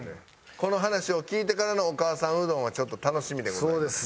この話を聞いてからのお母さんうどんはちょっと楽しみでございます。